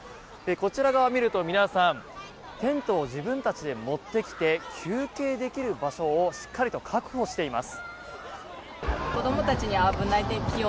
こちら側を見ると皆さんテントを自分たちで持ってきて休憩できる場所をしっかりと確保しています。